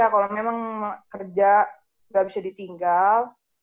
kalau memang kerja nggak bisa ditinggal